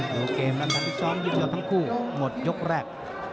โหเกมแล้วครับพี่ซ้อมยืนยอดทั้งคู่หมดยกแรก